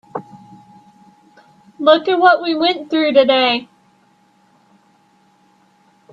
Look at what we went through today.